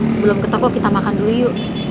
sebelum ke toko kita makan dulu yuk